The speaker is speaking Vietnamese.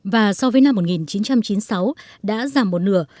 và so với năm một nghìn chín trăm chín mươi sáu đã giảm một nửa